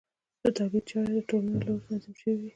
د تولید چارې د ټولنو له لوري تنظیم شوې وې.